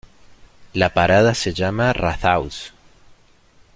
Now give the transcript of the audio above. La parada se llama "Rathaus".